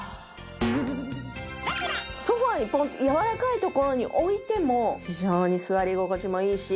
ソファにポンとやわらかいところに置いても非常に座り心地もいいし。